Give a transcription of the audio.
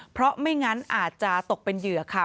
เพราะไม่งั้นอาจจะตกเป็นเหยื่อค่ะ